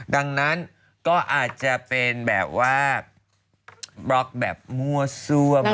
ดังนั้นก็อาจจะเป็นแบบว่าบล็อกแบบมั่วซ่วม